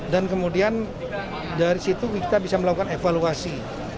dan kemudian dari situ kita bisa melakukan evaluasi